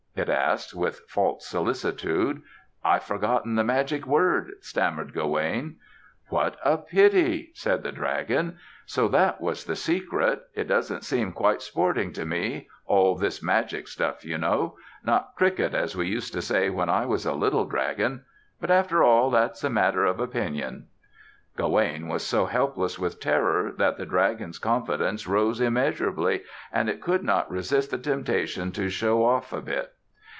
it asked, with false solicitude. "I've forgotten the magic word," stammered Gawaine. "What a pity," said the dragon. "So that was the secret. It doesn't seem quite sporting to me, all this magic stuff, you know. Not cricket, as we used to say when I was a little dragon; but after all, that's a matter of opinion." Gawaine was so helpless with terror that the dragon's confidence rose immeasurably and it could not resist the temptation to show off a bit.